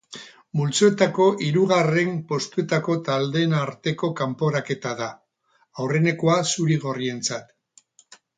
Multzoetako hirugarren postuetako taldeen arteko kanporaketa da aurrenekoa zuri-gorrientzat.